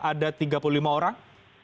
ada tiga puluh lima orang